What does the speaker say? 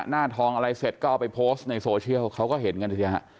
หน้าทองอะไรเสร็จก็เอาไปโพสต์ในโซเชียลเขาก็เห็นกันสิฮะ